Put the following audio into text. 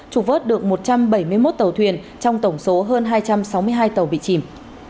trục vớt được một trăm bảy mươi một tàu thuyền trong tổng số hơn hai trăm sáu mươi hai tàu bị chìm